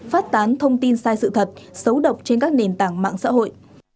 phát tán thông tin sai sự thật xấu độc trên các nền tảng mạng xã hội